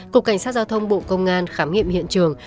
cục cảnh sát giao thông bộ công an khám nghiệm hiện trường